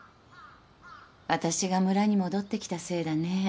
あたしが村に戻ってきたせいだね。